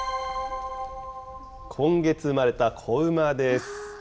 今月生まれた子馬です。